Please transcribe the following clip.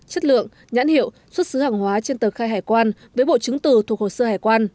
chất lượng nhãn hiệu xuất xứ hàng hóa trên tờ khai hải quan với bộ chứng từ thuộc hồ sơ hải quan